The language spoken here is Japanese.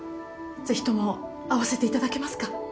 是非とも会わせていただけますか？